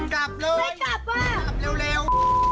กลับเลยเร็วเร็ว